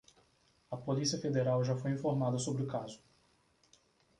A polícia federal já foi informada sobre o caso